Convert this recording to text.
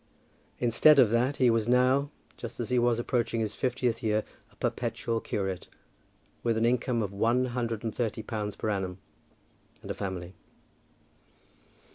Instead of that he was now, just as he was approaching his fiftieth year, a perpetual curate, with an income of one hundred and thirty pounds per annum, and a family.